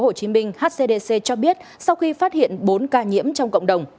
trung tâm kiểm soát bệnh tật tp hcm cho biết sau khi phát hiện bốn ca nhiễm trong cộng đồng